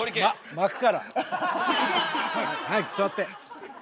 巻くから。早く座って。